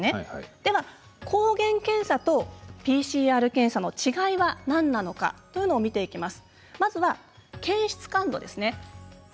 では抗原検査とＰＣＲ検査の違いは何なのかを見ていきます。